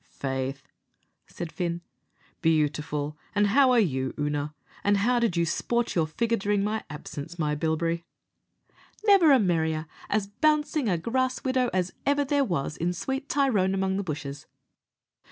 "Faith," said Fin, "beautiful; an' how are you, Oonagh and how did you sport your figure during my absence, my bilberry?" "Never a merrier as bouncing a grass widow as ever there was in sweet 'Tyrone among the bushes.'"